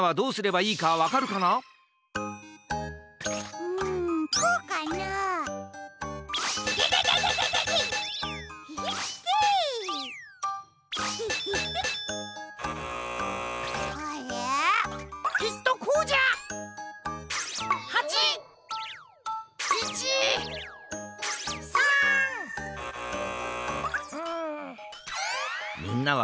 うん。